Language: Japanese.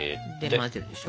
混ぜるでしょ。